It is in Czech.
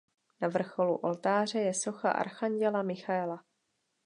Na vrcholu oltáře je socha archanděla Michaela.